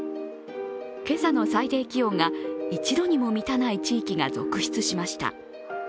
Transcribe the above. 今朝の最低気温が１度にも満たない地域が続出しました。